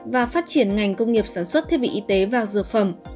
và phát triển ngành công nghiệp sản xuất thiết bị y tế và dược phẩm